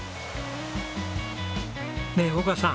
ねえ岡さん